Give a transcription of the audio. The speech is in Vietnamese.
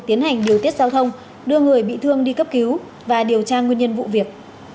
tiến hành điều tiết giao thông đưa người bị thương đi cấp cứu và điều tra nguyên nhân vụ việc